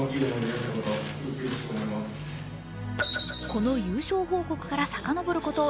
この優勝報告からさかのぼること